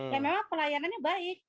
ya memang pelayanannya baik